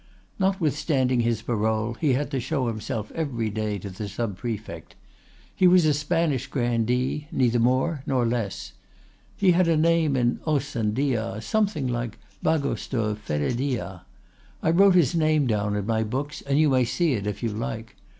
Notwithstanding his parole, he had to show himself every day to the sub prefect. He was a Spanish grandee—neither more nor less. He had a name in os and dia, something like Bagos de Férédia. I wrote his name down in my books, and you may see it if you like.